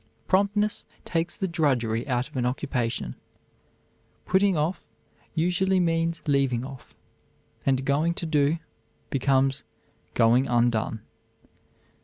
Promptness takes the drudgery out of an occupation. Putting off usually means leaving off, and going to do becomes going undone.